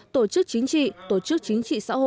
tổ chức chính trị tổ chức chính trị xã hội và đơn vị sự nghiệp